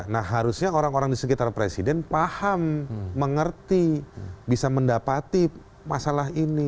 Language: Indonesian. nah harusnya orang orang di sekitar presiden paham mengerti bisa mendapati masalah ini